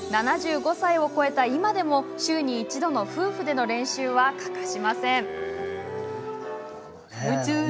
７５歳を超えた今でも週に一度の夫婦での練習は欠かしません。